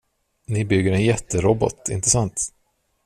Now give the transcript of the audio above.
Ni bygger en jätterobot, inte sant?